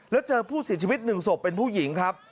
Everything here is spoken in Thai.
แล้วเจอผู้เสียชีวิต๑ศพเป็นผู้หญิงครับ